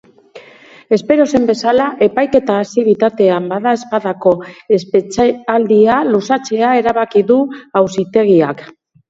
Espero zen bezala, epaiketa hasi bitartean badaezpadako espetxealdia luzatzea erabaki du auzitegiak.